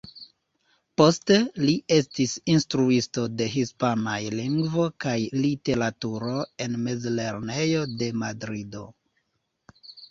Poste li estis instruisto de Hispanaj Lingvo kaj Literaturo en mezlernejo de Madrido.